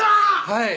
はい！